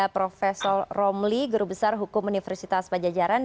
pak romli guru besar hukum universitas bajajaran